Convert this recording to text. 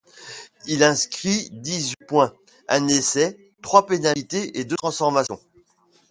Il inscrit dix-huit points, un essai, trois pénalités et deux transformations.